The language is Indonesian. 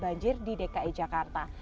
banjir di dki jakarta